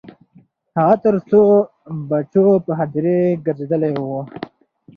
هغه تر څو بجو په هدیرې ګرځیدلی و.